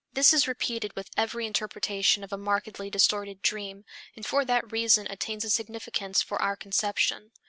This is repeated with every interpretation of a markedly distorted dream, and for that reason attains a significance for our conception.